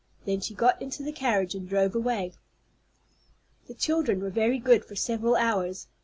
Then she got into the carriage and drove away. The children were very good for several hours.